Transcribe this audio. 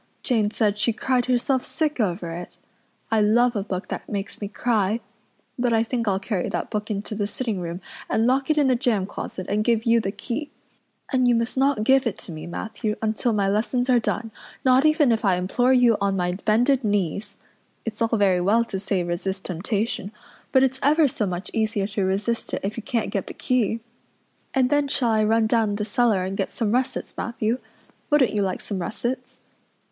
Jane said she cried herself sick over it. I love a book that makes me cry. But I think I'll carry that book into the sitting room and lock it in the jam closet and give you the key. And you must not give it to me, Matthew, until my lessons are done, not even if I implore you on my bended knees. It's all very well to say resist temptation, but it's ever so much easier to resist it if you can't get the key. And then shall I run down the cellar and get some russets, Matthew? Wouldn't you like some russets?"